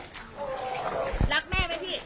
รักแม่ไหมพี่